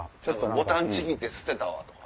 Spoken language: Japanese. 「ボタンちぎって捨てた」とか。